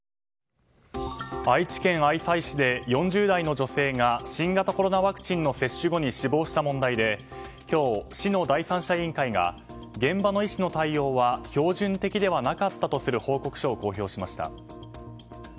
愛知県愛西市で４０代の女性が新型コロナワクチンの接種後に死亡した問題で今日、市の第三者委員会が現場の医師の対応は標準的ではなかったとする報告書を公表しました。